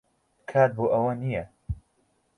کات بۆ ئەوە نییە.